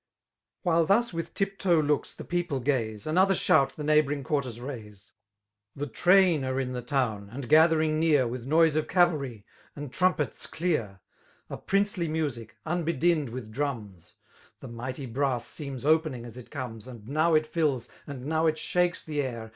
While thus with tip toe looks .the people gaze. Another shoot ti^ neigfab'ring quarters raise: A.» \:</ 11 The train are in the town, and gathering near. With noise of cavalry, and trumpets dear; A princely music, unbedinned with drams: The mighty brass seems opening as it comes, And now it fills, and now it shakes the air.